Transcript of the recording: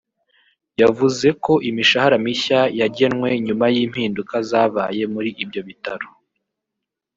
yavuze ko imishahara mishya yagenwe nyuma y’impinduka zabaye muri ibyo bitaro